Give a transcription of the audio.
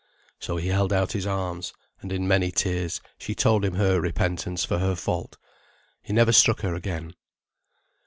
So he held out his arms, and in many tears she told him her repentance for her fault. He never struck her again.